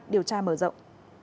điều tra mở rộng